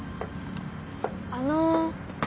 あの。